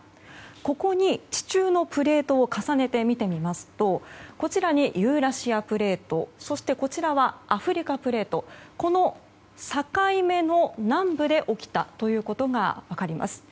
ここに地中のプレートを重ねて見てみますとこちらにユーラシアプレートこちらはアフリカプレートこの境目の南部で起きたということが分かります。